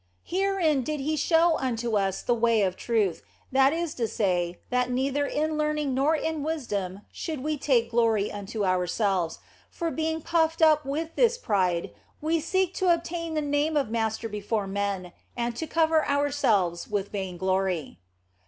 Herein did He show unto us the way of truth, that is to say, that neither in learning nor in wisdom should we take glory unto ourselves, for being puffed up with this pride 60 THE BLESSED ANGELA we seek to obtain the name of master before men and to cover ourselves with vainglory.